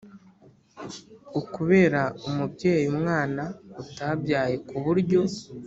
Ukubera umubyeyi umwana utabyaye ku buryo